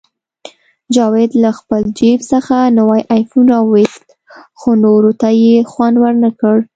جاوید له خپل جیب څخه نوی آیفون راوویست، خو نورو ته یې خوند ورنکړ